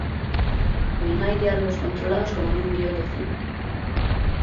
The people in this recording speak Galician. Nin hai diálogos controlados como nun guión de cine.